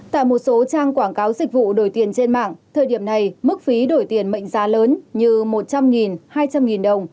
tại một số trang quảng cáo dịch vụ đổi tiền trên mạng thời điểm này mức phí đổi tiền mệnh giá lớn như một trăm linh hai trăm linh đồng